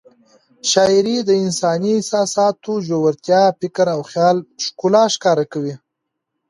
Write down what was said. شاعري د انساني احساساتو ژورتیا، فکر او خیال ښکلا ښکاره کوي.